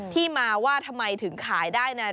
ที่มาว่าทำไมถึงขายได้นั้น